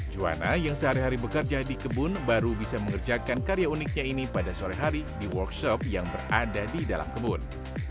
juwana yang sehari hari bekerja di kebun baru bisa mengerjakan karya uniknya ini pada sore hari di workshop yang berada di dalam kebun